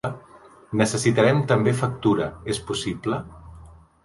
Necessitarem també factura, és possible?